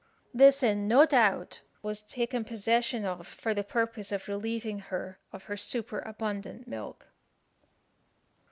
This, no doubt, was taken possession of for the purpose of relieving her of her superabundant milk.